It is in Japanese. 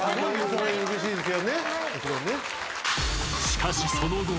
［しかしその後］